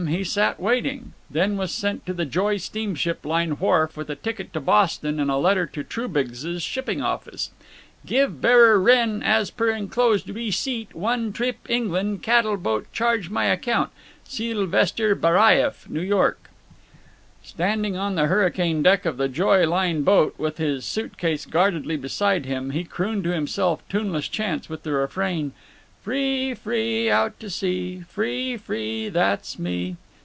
he sat waiting, then was sent to the Joy Steamship Line wharf with a ticket to Boston and a letter to Trubiggs's shipping office: "Give bearer Ren as per inclosed receet one trip England catel boat charge my acct. SYLVESTRE BARAIEFF, N. Y." Standing on the hurricane deck of the Joy Line boat, with his suit case guardedly beside him, he crooned to himself tuneless chants with the refrain, "Free, free, out to sea. Free, free, that's _me!